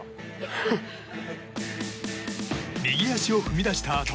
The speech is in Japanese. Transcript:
右足を踏み出したあと